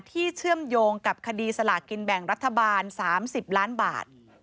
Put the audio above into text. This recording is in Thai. เชื่อมโยงกับคดีสลากินแบ่งรัฐบาล๓๐ล้านบาท